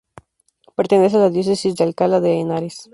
Pertenece a la diócesis de Alcalá de Henares.